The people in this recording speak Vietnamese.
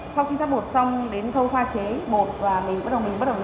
sau khi sát bột xong đến thô khoa chế bột và mình bắt đầu bịt tráng